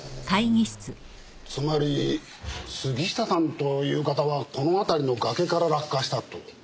つまり杉下さんという方はこの辺りの崖から落下したと？